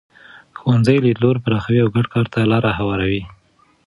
ښوونځي لیدلوري پراخوي او ګډ کار ته لاره هواروي.